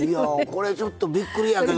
これちょっとびっくりやけど。